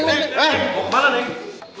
mau kemana neng